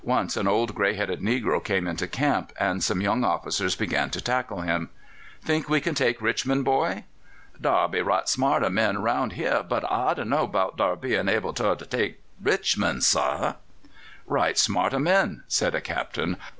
Once an old grey headed negro came into camp, and some young officers began to tackle him. "Think we can take Richmond, boy?" "Dar be right smart o' men round here, but I dunno 'bout dar being able for to take Richmond, sah." "'Right smart o' men!'" said a Captain.